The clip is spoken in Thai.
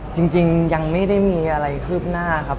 จริงยังไม่ได้มีอะไรคืบหน้าครับ